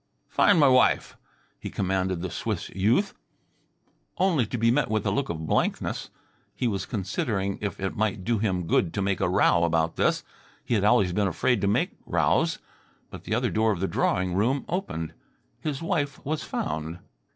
"Find m' wife," he commanded the Swiss youth, only to be met with a look of blankness. He was considering if it might do him good to make a row about this he had always been afraid to make rows but the other door of the drawing room opened. His wife was found.